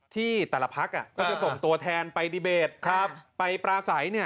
ที่แต่ละพักก็จะส่งตัวแทนไปดีเบตไปปราศัย